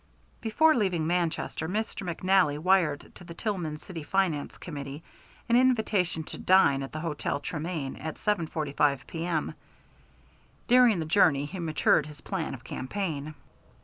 Before leaving Manchester Mr. McNally wired to the Tillman City Finance Committee an invitation to dine at the Hotel Tremain at 7.45 P.M. During the journey he matured his plan of campaign.